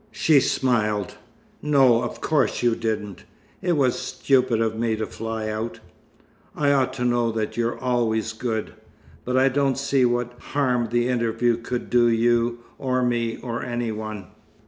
She smiled. "No, of course you didn't. It was stupid of me to fly out. I ought to know that you're always good. But I don't see what harm the interview could do you, or me, or any one.